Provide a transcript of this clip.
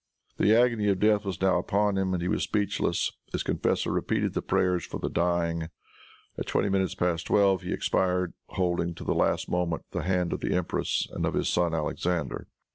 The agony of death was now upon him, and he was speechless. His confessor repeated the prayers for the dying. At twenty minutes past twelve he expired, holding, till the last moment, the hand of the empress and of his son Alexander.